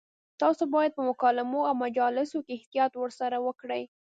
تاسو باید په مکالمو او مجالسو کې احتیاط ورسره وکړئ.